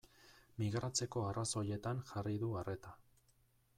Migratzeko arrazoietan jarri du arreta.